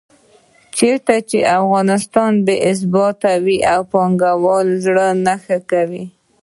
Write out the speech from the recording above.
چېرته چې اقتصادي بې ثباتي وي پانګوال زړه نه ښه کوي.